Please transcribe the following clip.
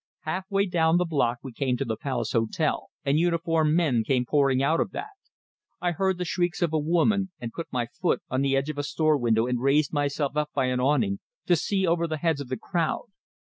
Half way down the block we came to the Palace Hotel, and uniformed men came pouring out of that. I heard the shrieks of a woman, and put my foot on the edge of a store window, and raised myself up by an awning, to see over the heads of the crowd.